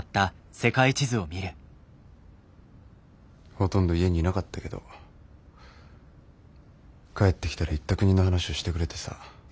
ほとんど家にいなかったけど帰ってきたら行った国の話をしてくれてさ。